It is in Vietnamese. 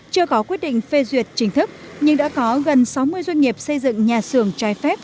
chưa có quyết định phê duyệt chính thức nhưng đã có gần sáu mươi doanh nghiệp xây dựng nhà xưởng trai phép